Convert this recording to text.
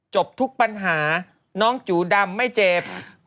จบทุกปัญหาน้องจูดำไม่เจ็บ